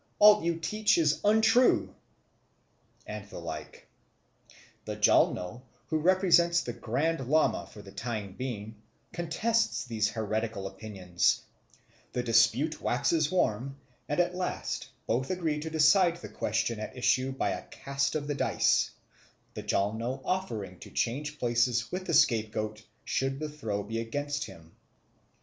All you teach is untrue," and the like. The Jalno, who represents the Grand Lama for the time being, contests these heretical opinions; the dispute waxes warm, and at last both agree to decide the questions at issue by a cast of the dice, the Jalno offering to change places with the scapegoat should the throw be against him.